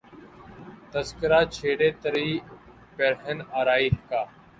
تذکرہ چھیڑے تری پیرہن آرائی کا